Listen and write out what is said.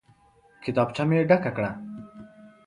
کتابچه مې ډکه کړه.